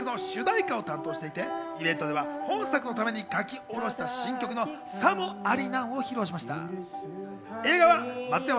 森山さんは本作の主題歌を担当していて、イベントでは本作のために書き下ろした新曲の『さもありなん』を披露しました。